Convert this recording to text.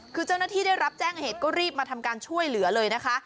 คือเจ้าหน้าที่ได้รับแจ้งเหตุก็รีบมาทำการช่วยเหลือเลยนะคะ